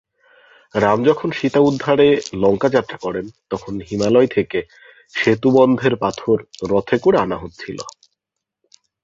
রাম যখন সীতা উদ্ধারে লঙ্কা যাত্রা করেন তখন হিমালয় থেকে সেতু বন্ধের পাথর রথে করে আনা হচ্ছিল।